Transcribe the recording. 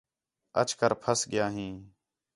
اَچ کر پَھس ڳِیا ہیں